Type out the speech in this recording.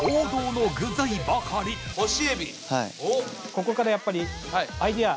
ここからやっぱりアイデア。